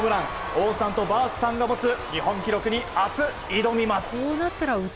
王さんとバースさんが持つ日本記録に明日、挑みます！